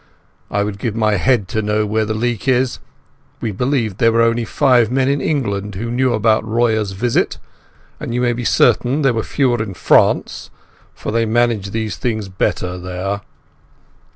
I would give my head to know where the leak is. We believed there were only five men in England who knew about Royer's visit, and you may be certain there were fewer in France, for they manage these things better there."